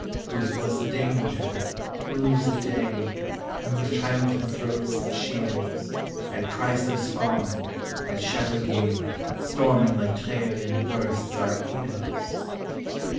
Whose was the danger, whose the day, From whose triumphant throats the cheers, At Chrysler's Farm, at Chateauguay, Storming like clarion bursts our ears?